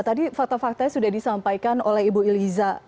tadi fakta faktanya sudah disampaikan oleh ibu iliza